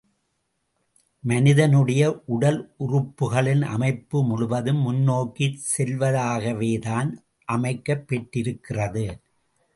மனிதனுடைய உடலுறுப்புகளின் அமைப்பு முழுதும் முன்னோக்கிச் செல்வதாகவேதான் அமைக்கப் பெற்றிருக்கிறது.